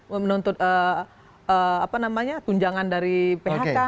menuntut tunjangan dari phk